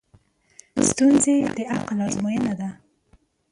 ستونزې د عقل ازموینه ده.